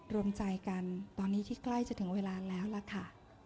รวมใจกันตอนนี้ที่ใกล้จะถึงเวลาแล้วล่ะค่ะ